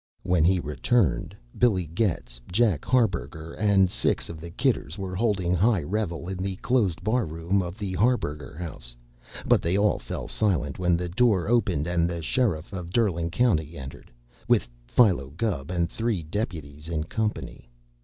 When he returned, Billy Getz, Jack Harburger, and six of the Kidders were holding high revel in the closed bar room of the Harburger House, but they all fell silent when the door opened and the Sheriff of Derling County entered, with Philo Gubb and three deputies in company.